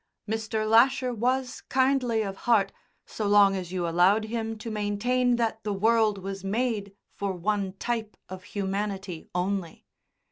Mr. Lasher was kindly of heart so long as you allowed him to maintain that the world was made for one type of humanity only.